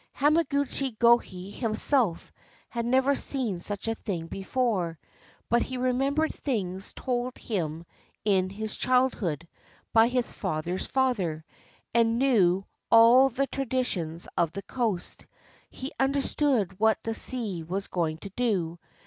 Hamaguchi Gohei himself had never seen such a thing before; but he remembered things told him in his child hood by his father's father, and he knew all the tradi tions of the coast. He understood what the sea was going to do.